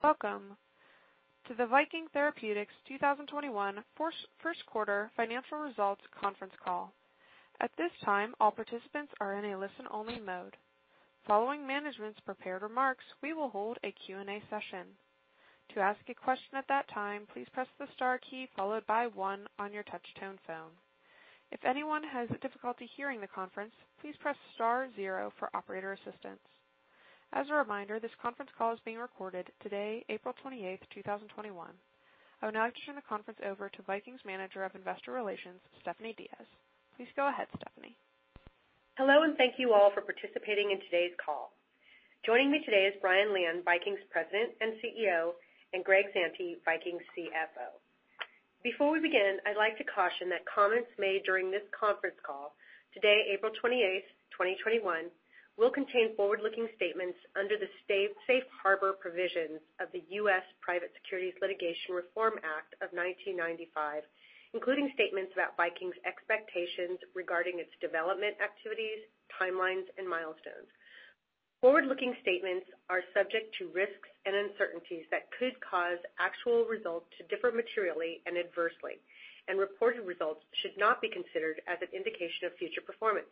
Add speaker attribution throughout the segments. Speaker 1: Welcome to the Viking Therapeutics 2021 first quarter financial results conference call. At this time our participants are in listen-only mode. Following management's prepared remarks, we will hold a Q&A session. To ask a question at that time, please press the star key followed by one on your touch-tone phone. If anyone has difficulty hearing the conference, please press star zero for operator assistance. As a reminder, this conference is being recorded today, April 28th, 2021. I would now like to turn the conference over to Viking's Manager of Investor Relations, Stephanie Diaz. Please go ahead, Stephanie.
Speaker 2: Hello, thank you all for participating in today's call. Joining me today is Brian Lian, Viking Therapeutics's President and CEO, and Greg Zante, Viking Therapeutics's CFO. Before we begin, I'd like to caution that comments made during this conference call, today, April 28th, 2021, will contain forward-looking statements under the safe harbor provisions of the U.S. Private Securities Litigation Reform Act of 1995, including statements about Viking Therapeutics's expectations regarding its development activities, timelines, and milestones. Forward-looking statements are subject to risks and uncertainties that could cause actual results to differ materially and adversely, reported results should not be considered as an indication of future performance.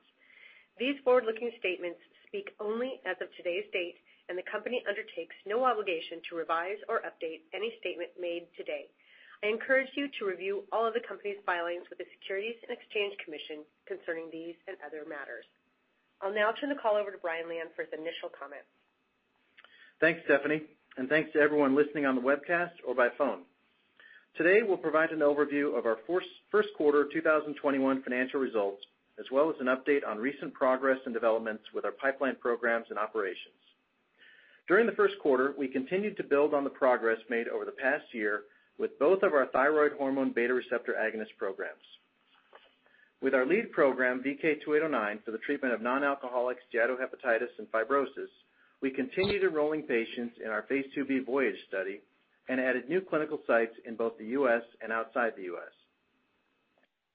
Speaker 2: These forward-looking statements speak only as of today's date, the company undertakes no obligation to revise or update any statement made today. I encourage you to review all of the company's filings with the Securities and Exchange Commission concerning these and other matters. I'll now turn the call over to Brian Lian for his initial comments.
Speaker 3: Thanks, Stephanie, and thanks to everyone listening on the webcast or by phone. Today, we'll provide an overview of our first quarter 2021 financial results, as well as an update on recent progress and developments with our pipeline programs and operations. During the first quarter, we continued to build on the progress made over the past year with both of our thyroid hormone beta receptor agonist programs. With our lead program, VK2809, for the treatment of non-alcoholic steatohepatitis and fibrosis, we continued enrolling patients in our phase II-B VOYAGE study and added new clinical sites in both the U.S. and outside the U.S.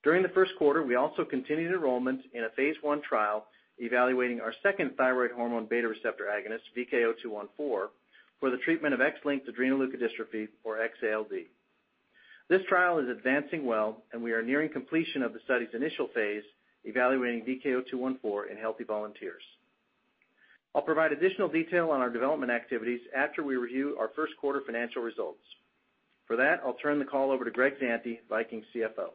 Speaker 3: During the first quarter, we also continued enrollment in a phase I trial evaluating our second thyroid hormone beta receptor agonist, VK0214, for the treatment of X-linked adrenoleukodystrophy, or X-ALD. This trial is advancing well, and we are nearing completion of the study's initial phase evaluating VK0214 in healthy volunteers. I'll provide additional detail on our development activities after we review our first quarter financial results. For that, I'll turn the call over to Greg Zante, Viking's CFO.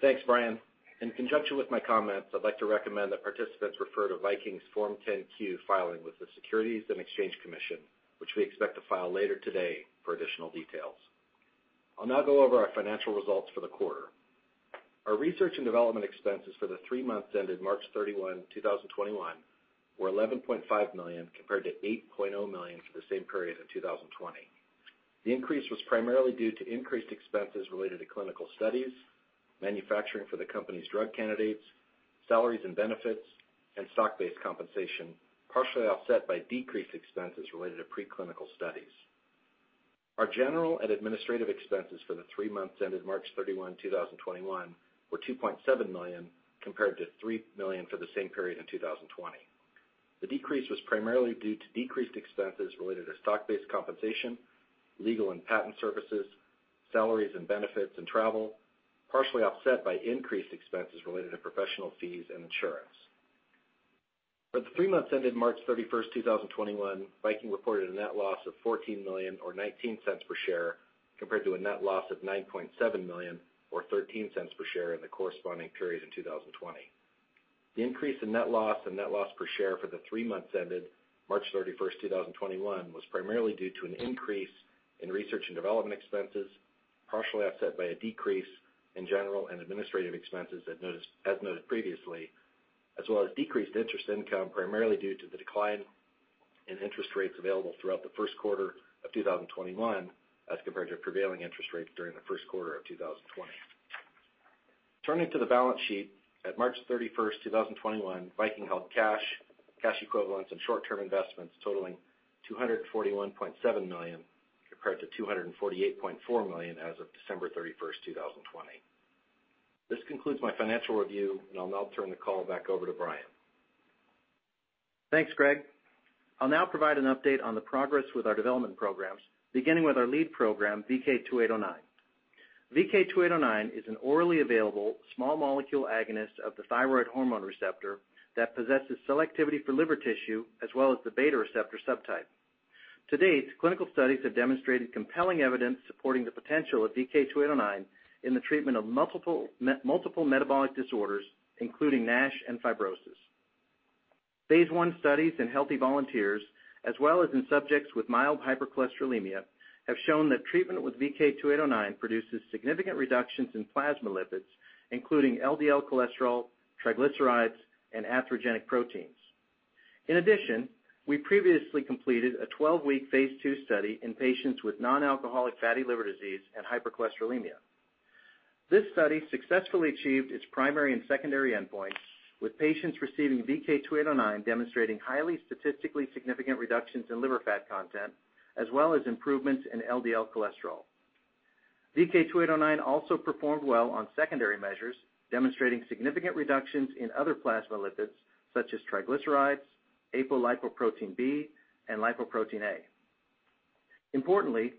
Speaker 4: Thanks, Brian. In conjunction with my comments, I'd like to recommend that participants refer to Viking's Form 10-Q filing with the Securities and Exchange Commission, which we expect to file later today for additional details. I'll now go over our financial results for the quarter. Our research and development expenses for the three months ended March 31, 2021, were $11.5 million, compared to $8.0 million for the same period in 2020. The increase was primarily due to increased expenses related to clinical studies, manufacturing for the company's drug candidates, salaries and benefits, and stock-based compensation, partially offset by decreased expenses related to preclinical studies. Our general and administrative expenses for the three months ended March 31, 2021, were $2.7 million, compared to $3 million for the same period in 2020. The decrease was primarily due to decreased expenses related to stock-based compensation, legal and patent services, salaries and benefits, and travel, partially offset by increased expenses related to professional fees and insurance. For the three months ended March 31st, 2021, Viking reported a net loss of $14 million, or $0.19 per share, compared to a net loss of $9.7 million, or $0.13 per share, in the corresponding period in 2020. The increase in net loss and net loss per share for the three months ended March 31st, 2021, was primarily due to an increase in research and development expenses, partially offset by a decrease in general and administrative expenses, as noted previously, as well as decreased interest income, primarily due to the decline in interest rates available throughout the first quarter of 2021 as compared to prevailing interest rates during the first quarter of 2020. Turning to the balance sheet, at March 31st, 2021, Viking held cash equivalents, and short-term investments totaling $241.7 million, compared to $248.4 million as of December 31st, 2020. This concludes my financial review, and I'll now turn the call back over to Brian.
Speaker 3: Thanks, Greg. I'll now provide an update on the progress with our development programs, beginning with our lead program, VK2809. VK2809 is an orally available, small molecule agonist of the thyroid hormone receptor that possesses selectivity for liver tissue as well as the beta receptor subtype. To date, clinical studies have demonstrated compelling evidence supporting the potential of VK2809 in the treatment of multiple metabolic disorders, including NASH and fibrosis. Phase I studies in healthy volunteers, as well as in subjects with mild hypercholesterolemia, have shown that treatment with VK2809 produces significant reductions in plasma lipids, including LDL cholesterol, triglycerides, and atherogenic proteins. We previously completed a 12-week phase II study in patients with non-alcoholic fatty liver disease and hypercholesterolemia. This study successfully achieved its primary and secondary endpoints, with patients receiving VK2809 demonstrating highly statistically significant reductions in liver fat content, as well as improvements in LDL cholesterol. VK2809 also performed well on secondary measures, demonstrating significant reductions in other plasma lipids such as triglycerides, apolipoprotein B, and lipoprotein(a). Importantly,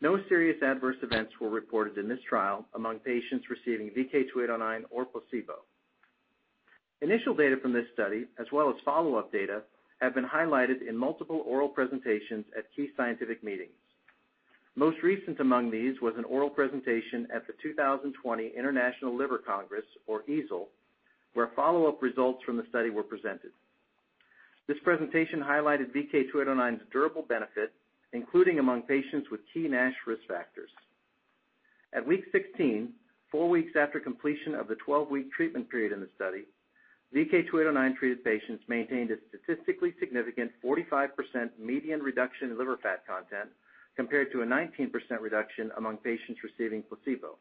Speaker 3: no serious adverse events were reported in this trial among patients receiving VK2809 or placebo. Initial data from this study, as well as follow-up data, have been highlighted in multiple oral presentations at key scientific meetings. Most recent among these was an oral presentation at the 2020 International Liver Congress, or EASL, where follow-up results from the study were presented. This presentation highlighted VK2809's durable benefit, including among patients with key NASH risk factors. At week 16, four weeks after completion of the 12-week treatment period in the study, VK2809-treated patients maintained a statistically significant 45% median reduction in liver fat content, compared to a 19% reduction among patients receiving placebo.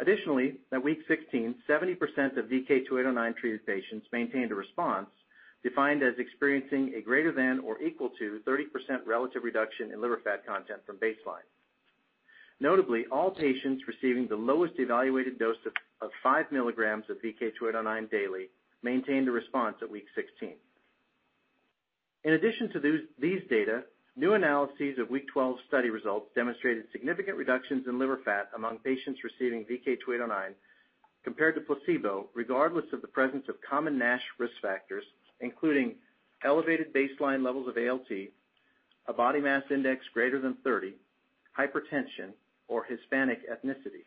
Speaker 3: Additionally, at week 16, 70% of VK2809-treated patients maintained a response, defined as experiencing a greater than or equal to 30% relative reduction in liver fat content from baseline. Notably, all patients receiving the lowest evaluated dose of five milligrams of VK2809 daily maintained a response at week 16. In addition to these data, new analyses of week 12 study results demonstrated significant reductions in liver fat among patients receiving VK2809 compared to placebo, regardless of the presence of common NASH risk factors, including elevated baseline levels of ALT, a body mass index greater than 30, hypertension, or Hispanic ethnicity.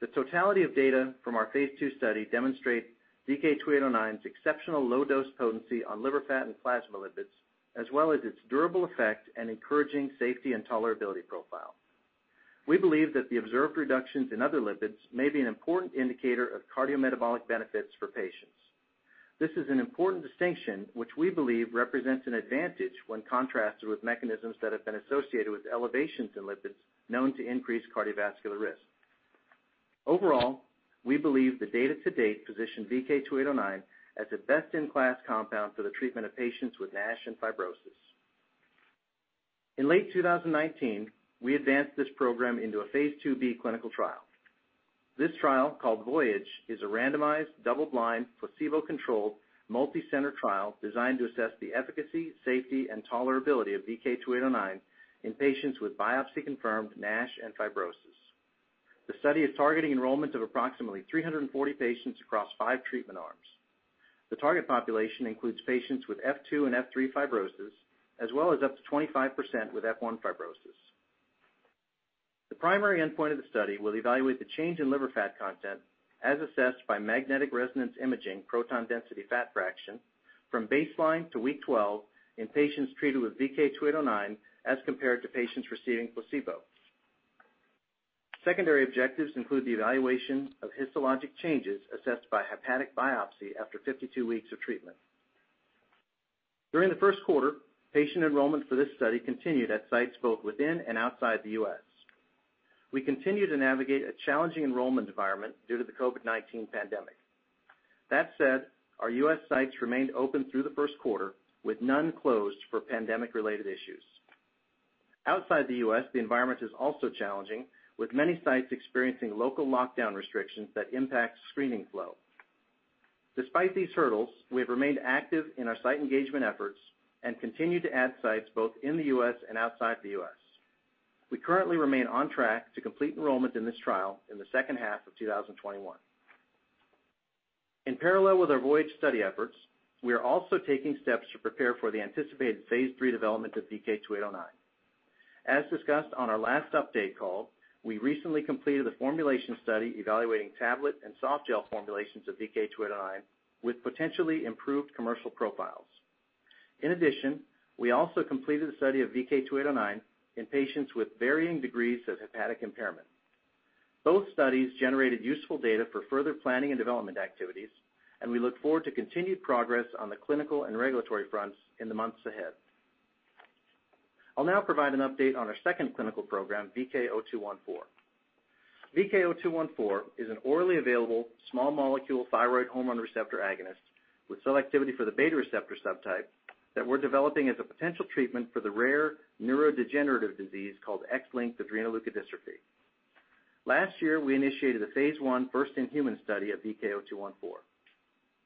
Speaker 3: The totality of data from our phase II study demonstrate VK2809's exceptional low-dose potency on liver fat and plasma lipids, as well as its durable effect and encouraging safety and tolerability profile. We believe that the observed reductions in other lipids may be an important indicator of cardiometabolic benefits for patients. This is an important distinction which we believe represents an advantage when contrasted with mechanisms that have been associated with elevations in lipids known to increase cardiovascular risk. Overall, we believe the data to date position VK2809 as a best-in-class compound for the treatment of patients with NASH and fibrosis. In late 2019, we advanced this program into a phase II-B clinical trial. This trial, called VOYAGE, is a randomized, double-blind, placebo-controlled, multi-center trial designed to assess the efficacy, safety, and tolerability of VK2809 in patients with biopsy-confirmed NASH and fibrosis. The study is targeting enrollment of approximately 340 patients across five treatment arms. The target population includes patients with F2 and F3 fibrosis, as well as up to 25% with F1 fibrosis. The primary endpoint of the study will evaluate the change in liver fat content as assessed by magnetic resonance imaging proton density fat fraction from baseline to week 12 in patients treated with VK2809 as compared to patients receiving placebo. Secondary objectives include the evaluation of histologic changes assessed by hepatic biopsy after 52 weeks of treatment. During the first quarter, patient enrollment for this study continued at sites both within and outside the U.S. We continue to navigate a challenging enrollment environment due to the COVID-19 pandemic. That said, our U.S. sites remained open through the first quarter, with none closed for pandemic-related issues. Outside the U.S., the environment is also challenging, with many sites experiencing local lockdown restrictions that impact screening flow. Despite these hurdles, we have remained active in our site engagement efforts and continue to add sites both in the U.S. and outside the U.S. We currently remain on track to complete enrollment in this trial in the second half of 2021. In parallel with our VOYAGE study efforts, we are also taking steps to prepare for the anticipated phase III development of VK2809. As discussed on our last update call, we recently completed a formulation study evaluating tablet and softgel formulations of VK2809 with potentially improved commercial profiles. In addition, we also completed a study of VK2809 in patients with varying degrees of hepatic impairment. Both studies generated useful data for further planning and development activities, and we look forward to continued progress on the clinical and regulatory fronts in the months ahead. I'll now provide an update on our second clinical program, VK0214. VK0214 is an orally available, small molecule thyroid hormone receptor agonist with selectivity for the beta receptor subtype that we're developing as a potential treatment for the rare neurodegenerative disease called X-linked adrenoleukodystrophy. Last year, we initiated a phase I first-in-human study of VK0214.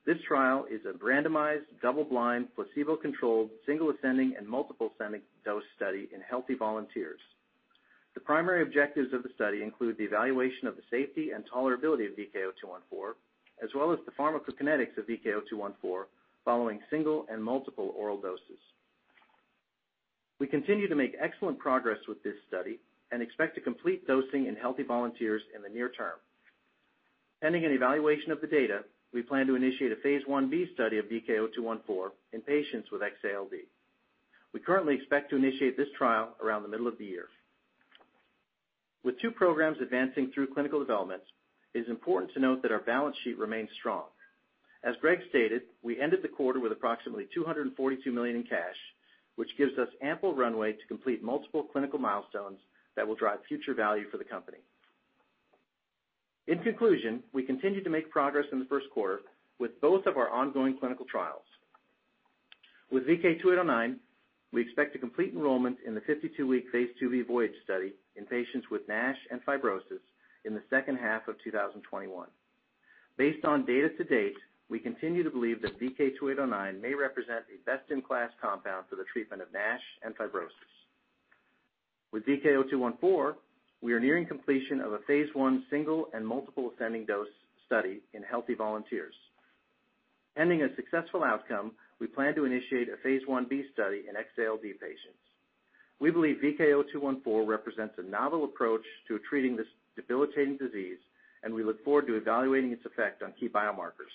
Speaker 3: This trial is a randomized, double-blind, placebo-controlled, single-ascending and multiple-ascending dose study in healthy volunteers. The primary objectives of the study include the evaluation of the safety and tolerability of VK0214, as well as the pharmacokinetics of VK0214 following single and multiple oral doses. We continue to make excellent progress with this study and expect to complete dosing in healthy volunteers in the near term. Pending an evaluation of the data, we plan to initiate a phase I-B study of VK0214 in patients with X-ALD. We currently expect to initiate this trial around the middle of the year. With two programs advancing through clinical development, it is important to note that our balance sheet remains strong. As Greg stated, we ended the quarter with approximately $242 million in cash, which gives us ample runway to complete multiple clinical milestones that will drive future value for the company. In conclusion, we continue to make progress in the first quarter with both of our ongoing clinical trials. With VK2809, we expect to complete enrollment in the 52-week phase II-B VOYAGE study in patients with NASH and fibrosis in the second half of 2021. Based on data to date, we continue to believe that VK2809 may represent a best-in-class compound for the treatment of NASH and fibrosis. With VK0214, we are nearing completion of a phase I single and multiple ascending dose study in healthy volunteers. Ending a successful outcome, we plan to initiate a phase I-B study in X-ALD patients. We believe VK0214 represents a novel approach to treating this debilitating disease, and we look forward to evaluating its effect on key biomarkers.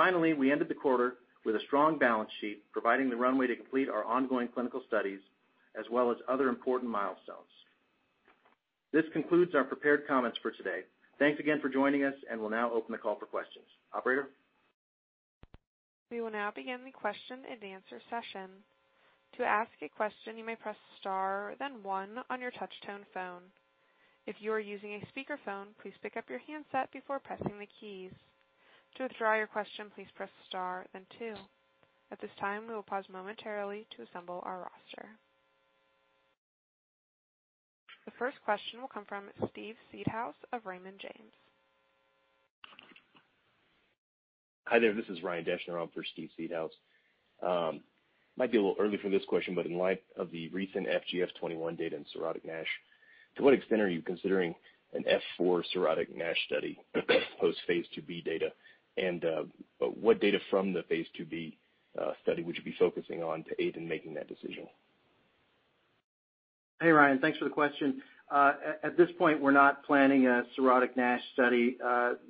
Speaker 3: Finally, we ended the quarter with a strong balance sheet, providing the runway to complete our ongoing clinical studies as well as other important milestones. This concludes our prepared comments for today. Thanks again for joining us, and we'll now open the call for questions. Operator?
Speaker 1: We will now begin the question and answer session. To ask a question, you may press star then one on your touch-tone phone. If you are using a speaker phone, please pick up your handset before pressing the keys. To withdraw your question, please press star then two. At this time, we will pause momentarily to assemble our roster. The first question will come from Steve Seedhouse of Raymond James.
Speaker 5: Hi there. This is Ryan Deschner on for Steve Seedhouse. Might be a little early for this question, but in light of the recent FGF21 data in cirrhotic NASH, to what extent are you considering an F4 cirrhotic NASH study post phase II-B data? What data from the phase II-B study would you be focusing on to aid in making that decision?
Speaker 3: Hey, Ryan. Thanks for the question. At this point, we're not planning a cirrhotic NASH study.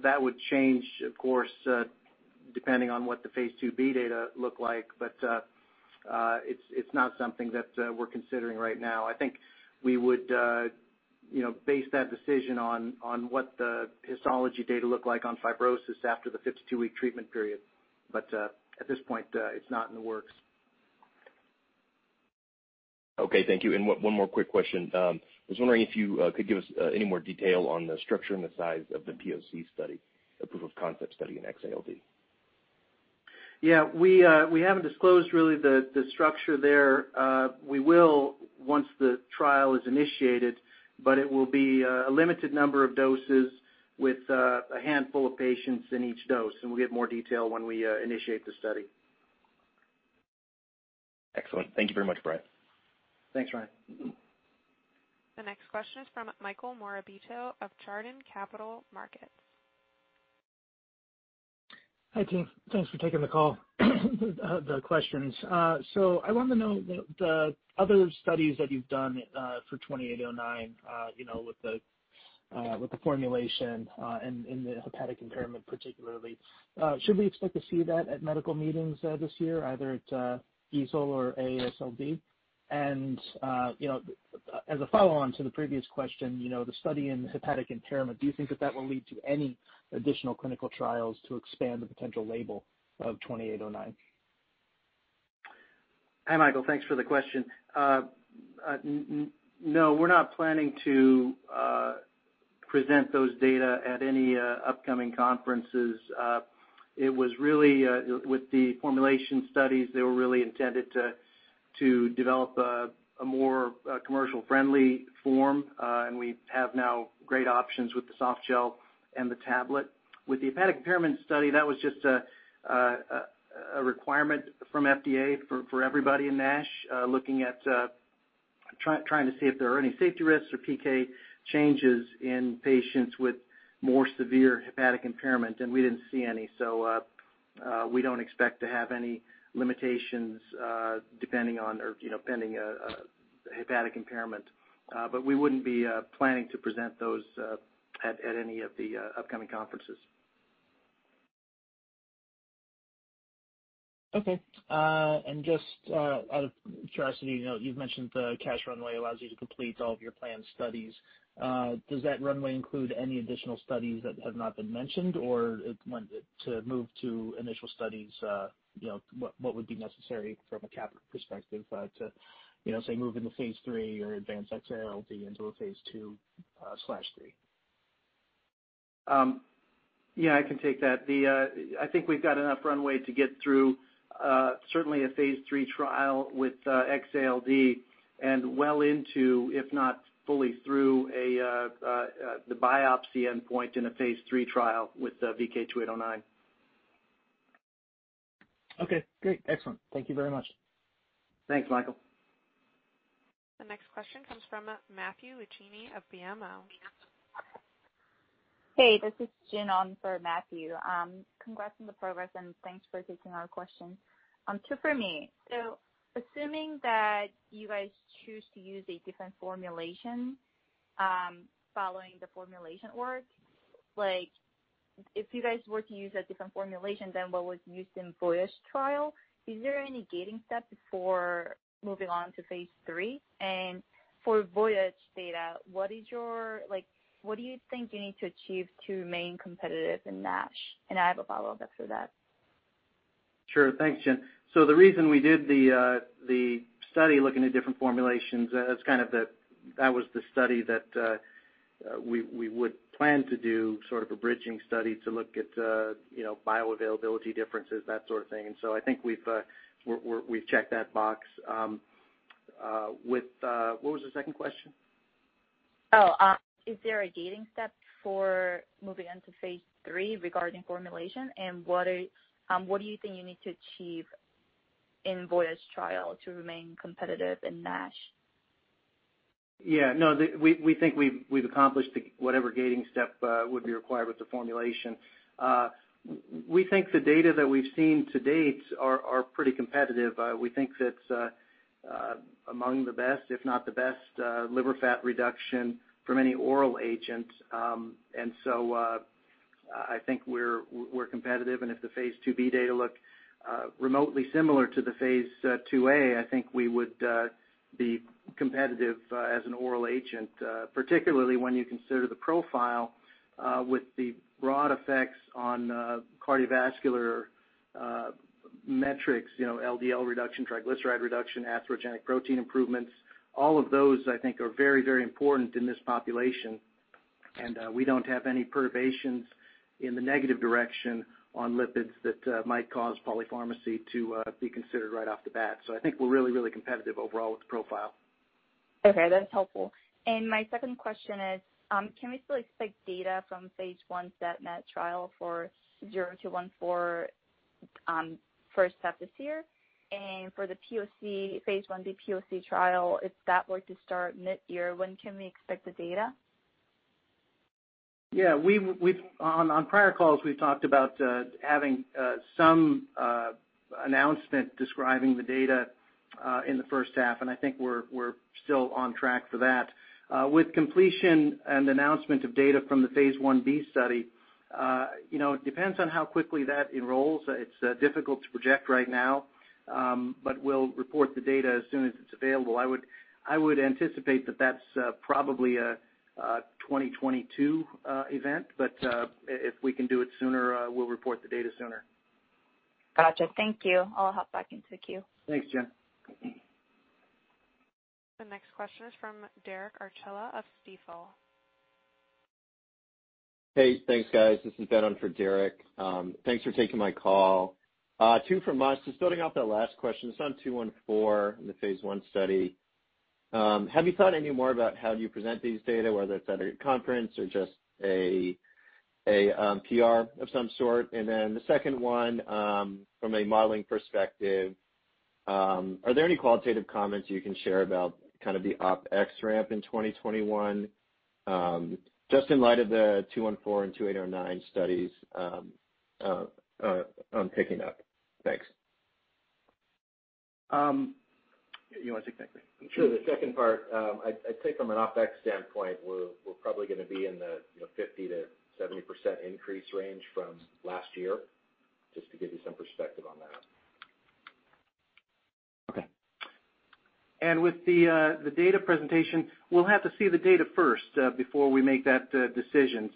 Speaker 3: That would change, of course, depending on what the phase II-B data look like. It's not something that we're considering right now. I think we would base that decision on what the histology data look like on fibrosis after the 52-week treatment period. At this point, it's not in the works.
Speaker 5: Okay. Thank you. One more quick question. I was wondering if you could give us any more detail on the structure and the size of the PoC study, the proof of concept study in X-ALD.
Speaker 3: Yeah. We haven't disclosed really the structure there. We will once the trial is initiated, but it will be a limited number of doses with a handful of patients in each dose, and we'll give more detail when we initiate the study.
Speaker 5: Excellent. Thank you very much, Brian Lian.
Speaker 3: Thanks, Ryan.
Speaker 1: The next question is from Michael Morabito of Chardan Capital Markets.
Speaker 6: Hi, team. Thanks for taking the call, the questions. I want to know the other studies that you've done for VK2809 with the formulation and in the hepatic impairment particularly. Should we expect to see that at medical meetings this year, either at EASL or AASLD? As a follow-on to the previous question, the study in hepatic impairment, do you think that that will lead to any additional clinical trials to expand the potential label of VK2809?
Speaker 3: Hi, Michael. Thanks for the question. No, we're not planning to present those data at any upcoming conferences. With the formulation studies, they were really intended to develop a more commercial-friendly form. We have now great options with the soft gel and the tablet. With the hepatic impairment study, that was just a requirement from FDA for everybody in NASH, trying to see if there are any safety risks or PK changes in patients with more severe hepatic impairment, and we didn't see any. We don't expect to have any limitations pending hepatic impairment. We wouldn't be planning to present those at any of the upcoming conferences.
Speaker 6: Okay. Just out of curiosity, you've mentioned the cash runway allows you to complete all of your planned studies. Does that runway include any additional studies that have not been mentioned, or to move to initial studies, what would be necessary from a capital perspective to, say, move into phase III or advance X-ALD into a phase II/III?
Speaker 3: Yeah, I can take that. I think we've got enough runway to get through certainly a phase III trial with X-ALD and well into, if not fully through the biopsy endpoint in a phase III trial with VK2809.
Speaker 6: Okay, great. Excellent. Thank you very much.
Speaker 3: Thanks, Michael.
Speaker 1: The next question comes from Matthew Luchini of BMO.
Speaker 7: Hey, this is Jen Lee on for Matthew. Congrats on the progress, and thanks for taking our question. Two for me. Assuming that you guys choose to use a different formulation following the formulation work, if you guys were to use a different formulation than what was used in VOYAGE, is there any gating step before moving on to phase III? For VOYAGE data, what do you think you need to achieve to remain competitive in NASH? I have a follow-up after that.
Speaker 3: Sure. Thanks, Jen. The reason we did the study looking at different formulations, that was the study that we would plan to do, sort of a bridging study to look at bioavailability differences, that sort of thing. I think we've checked that box. What was the second question?
Speaker 7: Oh, is there a gating step for moving into phase III regarding formulation, and what do you think you need to achieve in VOYAGE trial to remain competitive in NASH?
Speaker 3: No. We think we've accomplished whatever gating step would be required with the formulation. We think the data that we've seen to date are pretty competitive. We think that's among the best, if not the best, liver fat reduction from any oral agent. I think we're competitive, and if the phase II-B data look remotely similar to the phase II-A, I think we would be competitive as an oral agent, particularly when you consider the profile with the broad effects on cardiovascular metrics, LDL reduction, triglyceride reduction, atherogenic protein improvements. All of those, I think, are very, very important in this population. We don't have any perturbations in the negative direction on lipids that might cause polypharmacy to be considered right off the bat. I think we're really, really competitive overall with the profile.
Speaker 7: Okay, that's helpful. My second question is, can we still expect data from phase I SAD/MAD trial for VK0214 first half this year? For the PoC, phase I-B PoC trial, if that were to start mid-year, when can we expect the data?
Speaker 3: Yeah. On prior calls, we've talked about having some announcement describing the data in the first half. I think we're still on track for that. With completion and announcement of data from the phase I-B study, it depends on how quickly that enrolls. It's difficult to project right now. We'll report the data as soon as it's available. I would anticipate that that's probably a 2022 event. If we can do it sooner, we'll report the data sooner.
Speaker 7: Gotcha. Thank you. I'll hop back into queue.
Speaker 3: Thanks, Jen.
Speaker 1: The next question is from Derek Archila of Stifel.
Speaker 8: Hey, thanks, guys. This is Ben on for Derek. Thanks for taking my call. Two from us. Just building off that last question, it's on VK0214 in the phase I study. Have you thought any more about how you present these data, whether it's at a conference or just a PR of some sort? The second one, from a modeling perspective, are there any qualitative comments you can share about kind of the OpEx ramp in 2021, just in light of the VK0214 and VK2809 studies on picking up? Thanks.
Speaker 3: You want to take that, Greg Zante?
Speaker 4: Sure. The second part, I'd say from an OpEx standpoint, we're probably going to be in the 50%-70% increase range from last year, just to give you some perspective on that.
Speaker 8: Okay.
Speaker 3: With the data presentation, we'll have to see the data first before we make that decision.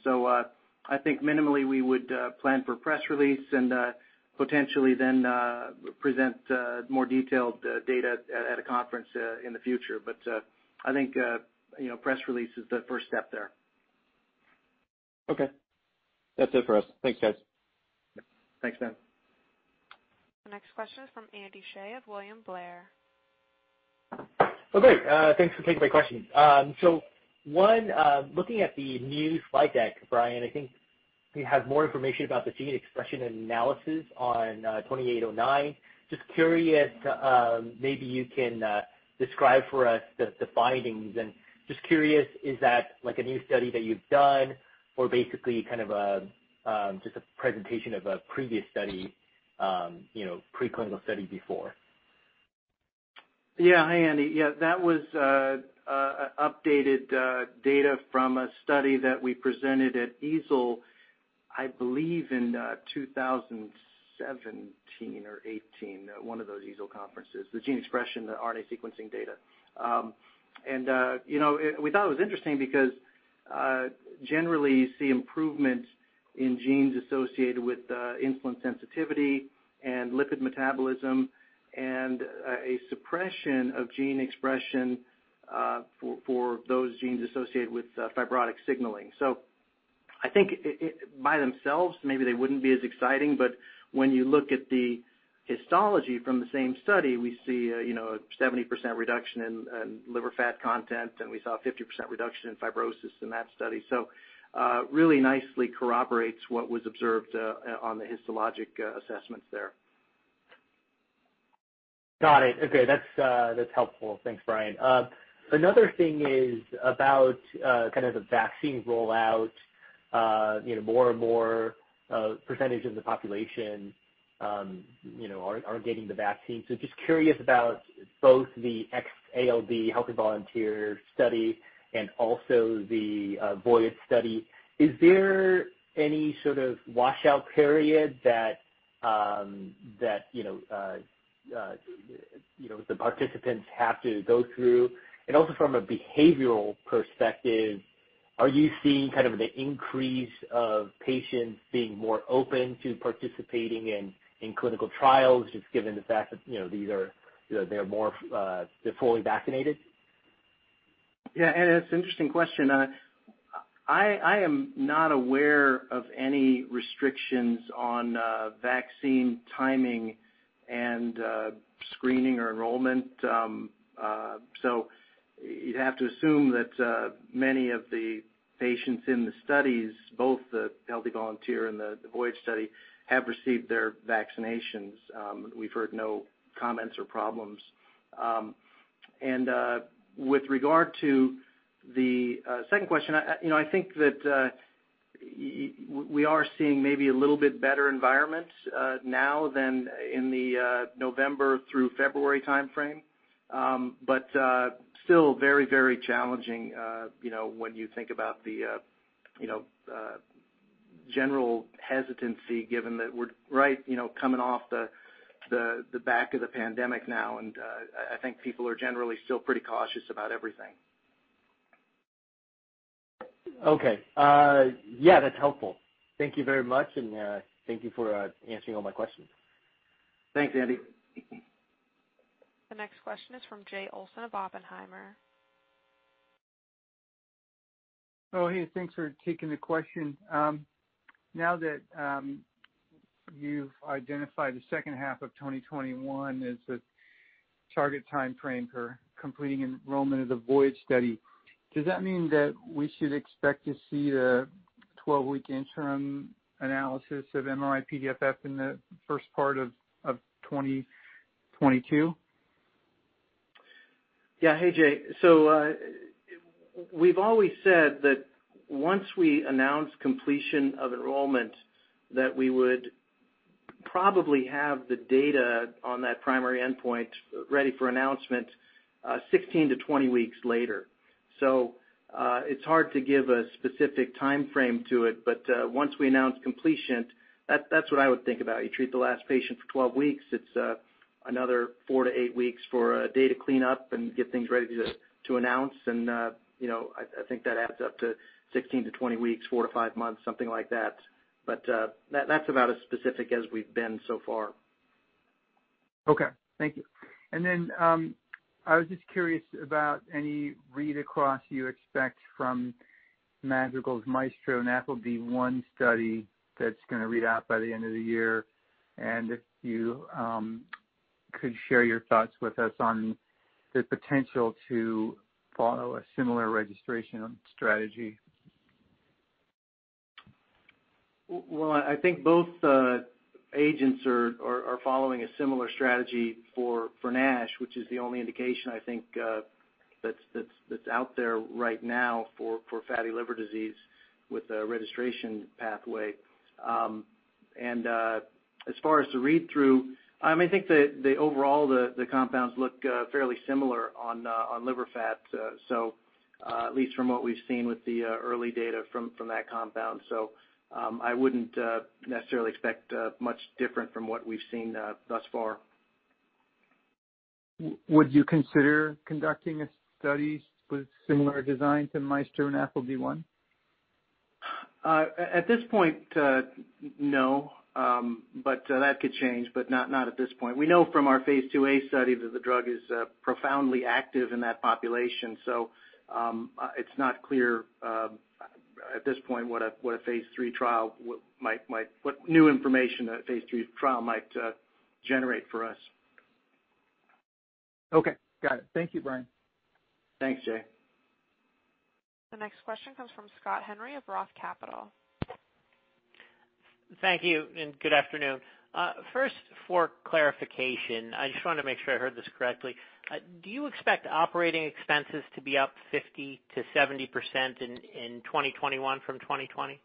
Speaker 3: I think minimally, we would plan for press release and potentially then present more detailed data at a conference in the future. I think press release is the first step there.
Speaker 8: Okay. That's it for us. Thanks, guys.
Speaker 3: Thanks, Ben.
Speaker 1: The next question is from Andy Hsieh of William Blair.
Speaker 9: Oh, great. Thanks for taking my question. Looking at the new slide deck, Brian, I think we have more information about the gene expression analysis on VK2809. Just curious, maybe you can describe for us the findings, and just curious, is that a new study that you've done or basically kind of just a presentation of a previous study, preclinical study before?
Speaker 3: Yeah. Hi, Andy. Yeah, that was updated data from a study that we presented at EASL, I believe in 2017 or 2018, one of those EASL conferences. The gene expression, the RNA sequencing data. We thought it was interesting because generally, you see improvements in genes associated with insulin sensitivity and lipid metabolism and a suppression of gene expression for those genes associated with fibrotic signaling. I think by themselves, maybe they wouldn't be as exciting, but when you look at the histology from the same study, we see a 70% reduction in liver fat content, and we saw a 50% reduction in fibrosis in that study. Really nicely corroborates what was observed on the histologic assessments there.
Speaker 9: Got it. Okay, that's helpful. Thanks, Brian Lian. Another thing is about kind of the vaccine rollout. More and more percentage of the population are getting the vaccine. Just curious about both the X-ALD healthy volunteer study and also the VOYAGE study. Is there any sort of washout period that the participants have to go through? Also from a behavioral perspective, are you seeing an increase of patients being more open to participating in clinical trials, just given the fact that they're fully vaccinated?
Speaker 3: Yeah, Andy, that's an interesting question. I am not aware of any restrictions on vaccine timing and screening or enrollment. You'd have to assume that many of the patients in the studies, both the healthy volunteer and the VOYAGE study, have received their vaccinations. We've heard no comments or problems. With regard to the second question, I think that we are seeing maybe a little bit better environment now than in the November through February timeframe. Still very challenging when you think about the general hesitancy, given that we're right, coming off the back of the pandemic now, and I think people are generally still pretty cautious about everything.
Speaker 9: That's helpful. Thank you very much, and thank you for answering all my questions.
Speaker 3: Thanks, Andy.
Speaker 1: The next question is from Jay Olson of Oppenheimer.
Speaker 10: Oh, hey. Thanks for taking the question. Now that you've identified the second half of 2021 as the target timeframe for completing enrollment of the VOYAGE study, does that mean that we should expect to see a 12-week interim analysis of MRI-PDFF in the first part of 2022?
Speaker 3: Yeah. Hey, Jay. We've always said that once we announce completion of enrollment, that we would probably have the data on that primary endpoint ready for announcement 16-20 weeks later. It's hard to give a specific timeframe to it, but once we announce completion, that's what I would think about. You treat the last patient for 12 weeks. It's another four to eight weeks for data cleanup and get things ready to announce, and I think that adds up to 16-20 weeks, four to five months, something like that. That's about as specific as we've been so far.
Speaker 10: Okay. Thank you. I was just curious about any read across you expect from Madrigal's MAESTRO-NAFLD-1 study that's going to read out by the end of the year, and if you could share your thoughts with us on the potential to follow a similar registration strategy.
Speaker 3: Well, I think both agents are following a similar strategy for NASH, which is the only indication, I think that's out there right now for fatty liver disease with a registration pathway. As far as the read-through, I think that overall the compounds look fairly similar on liver fat, at least from what we've seen with the early data from that compound. I wouldn't necessarily expect much different from what we've seen thus far.
Speaker 10: Would you consider conducting a study with similar design to MAESTRO and ApoB-100?
Speaker 3: At this point no. That could change, but not at this point. We know from our phase II-A study that the drug is profoundly active in that population. It's not clear at this point what new information a phase III trial might generate for us.
Speaker 10: Okay. Got it. Thank you, Brian.
Speaker 3: Thanks, Jay.
Speaker 1: The next question comes from Scott Henry of ROTH Capital.
Speaker 11: Thank you, and good afternoon. First for clarification, I just want to make sure I heard this correctly. Do you expect operating expenses to be up 50%-70% in 2021 from 2020?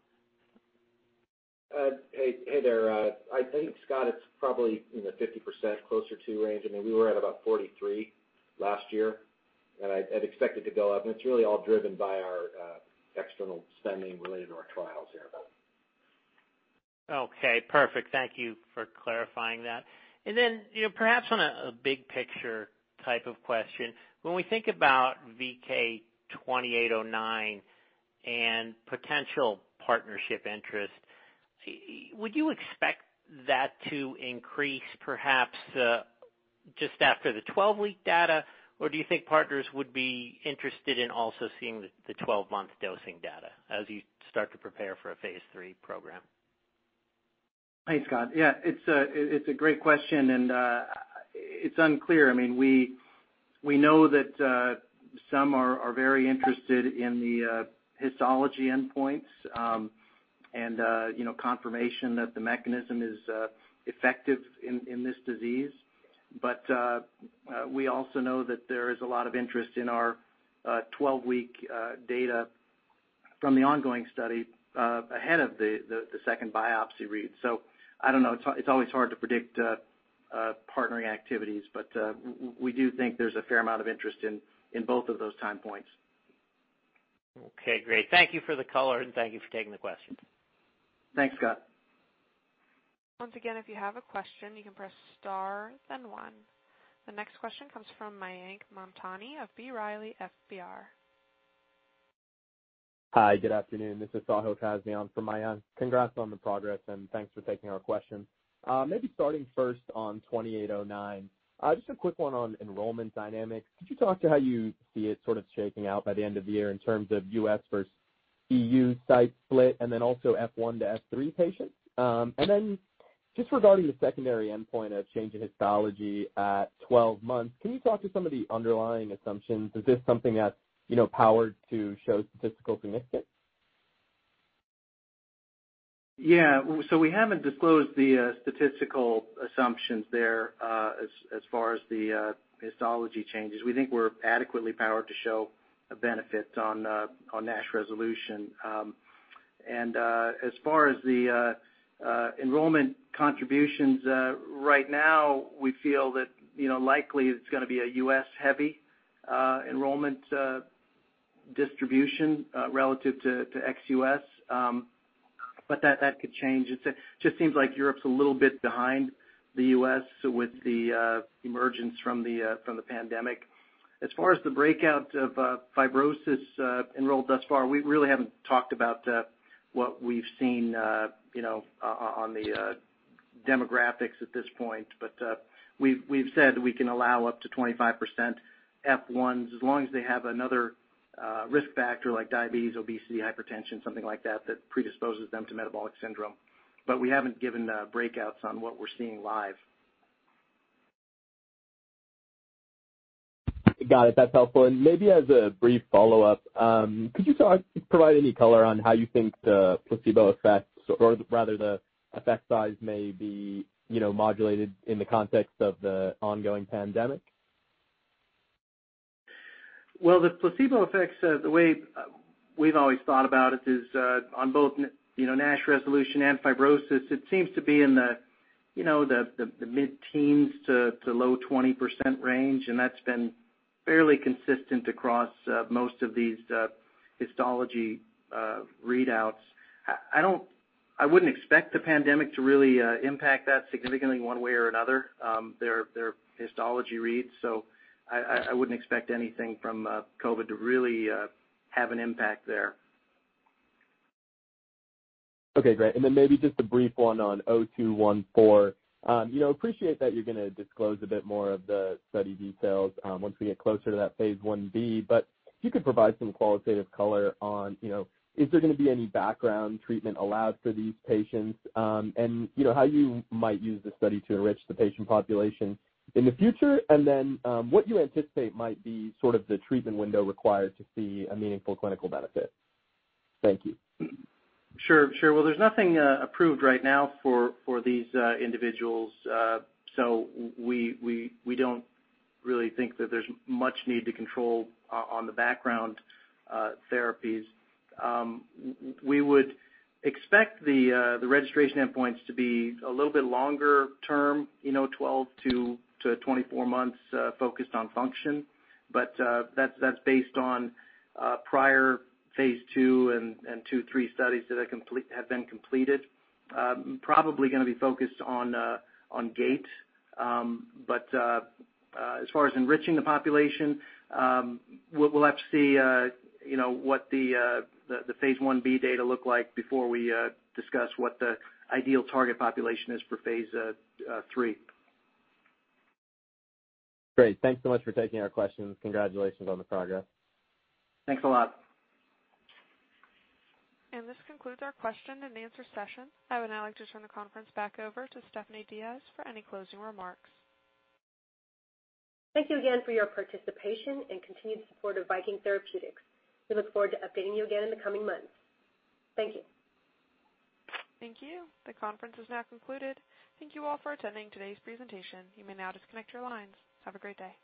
Speaker 4: Hey there. I think Scott, it's probably 50% closer to range. We were at about 43 last year, and I'd expect it to go up, and it's really all driven by our external spending related to our trials here.
Speaker 11: Okay, perfect. Thank you for clarifying that. Then, perhaps on a big picture type of question, when we think about VK2809 and potential partnership interest, would you expect that to increase perhaps just after the 12-week data? Or do you think partners would be interested in also seeing the 12-month dosing data as you start to prepare for a phase III program?
Speaker 3: Thanks, Scott. It's a great question, and it's unclear. We know that some are very interested in the histology endpoints and confirmation that the mechanism is effective in this disease. We also know that there is a lot of interest in our 12-week data from the ongoing study ahead of the second biopsy read. I don't know. It's always hard to predict partnering activities. We do think there's a fair amount of interest in both of those time points.
Speaker 11: Okay, great. Thank you for the color, and thank you for taking the question.
Speaker 3: Thanks, Scott.
Speaker 1: Once again, if you have a question, you can press star, then one. The next question comes from Mayank Mamtani of B. Riley FBR.
Speaker 12: Hi, good afternoon. This is Sahil Kazmi for Mayank. Congrats on the progress. Thanks for taking our question. Maybe starting first on VK2809, just a quick one on enrollment dynamics. Could you talk to how you see it sort of shaking out by the end of the year in terms of U.S. versus EU site split and then also F1 to F3 patients? Just regarding the secondary endpoint of change in histology at 12 months, can you talk to some of the underlying assumptions? Is this something that's powered to show statistical significance?
Speaker 3: We haven't disclosed the statistical assumptions there as far as the histology changes. We think we're adequately powered to show a benefit on NASH resolution. As far as the enrollment contributions right now, we feel that likely it's going to be a U.S.-heavy enrollment distribution relative to ex-U.S., but that could change. It just seems like Europe's a little bit behind the U.S. with the emergence from the pandemic. As far as the breakout of fibrosis enrolled thus far, we really haven't talked about what we've seen on the demographics at this point. We've said we can allow up to 25% F1s as long as they have another risk factor like diabetes, obesity, hypertension, something like that predisposes them to metabolic syndrome. We haven't given breakouts on what we're seeing live.
Speaker 12: Got it. That's helpful. Maybe as a brief follow-up, could you provide any color on how you think the placebo effects, or rather the effect size may be modulated in the context of the ongoing pandemic?
Speaker 3: Well, the placebo effects, the way we've always thought about it is on both NASH resolution and fibrosis. It seems to be in the mid-teens to low 20% range, and that's been fairly consistent across most of these histology readouts. I wouldn't expect the pandemic to really impact that significantly one way or another, their histology reads, so I wouldn't expect anything from COVID to really have an impact there.
Speaker 12: Okay, great. Maybe just a brief one on VK0214. Appreciate that you're going to disclose a bit more of the study details once we get closer to that phase I-B, but if you could provide some qualitative color on, is there going to be any background treatment allowed for these patients, and how you might use the study to enrich the patient population in the future, and then what you anticipate might be sort of the treatment window required to see a meaningful clinical benefit? Thank you.
Speaker 3: Sure. Well, there's nothing approved right now for these individuals. We don't really think that there's much need to control on the background therapies. We would expect the registration endpoints to be a little bit longer term, 12-24 months focused on function. That's based on prior phase II and III studies that have been completed. Probably going to be focused on gait. As far as enriching the population, we'll have to see what the phase I-B data look like before we discuss what the ideal target population is for phase III.
Speaker 12: Great. Thanks so much for taking our questions. Congratulations on the progress.
Speaker 3: Thanks a lot.
Speaker 1: This concludes our question and answer session. I would now like to turn the conference back over to Stephanie Diaz for any closing remarks.
Speaker 2: Thank you again for your participation and continued support of Viking Therapeutics. We look forward to updating you again in the coming months. Thank you.
Speaker 1: Thank you. The conference is now concluded. Thank you all for attending today's presentation. You may now disconnect your lines. Have a great day.